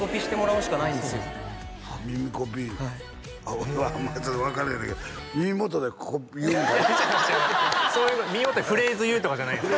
俺はあんまり分からへんのやけど耳元でこう言うんかなとそういう耳元でフレーズ言うとかじゃないです